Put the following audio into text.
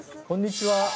こんにちは。